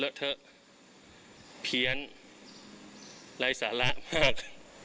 แล้วเถอะเพียนไร้สาระมาก